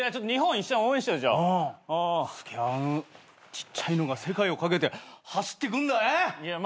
ちっちゃいのが世界を懸けて走ってくんだね。